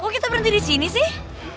bu kita berhenti di sini sih